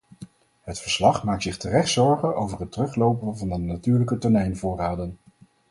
Het verslag maakt zich terecht zorgen over het teruglopen van de natuurlijke tonijnvoorraden.